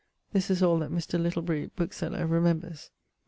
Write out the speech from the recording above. This is all that Mr. Littlebury, bookeseller, remembers.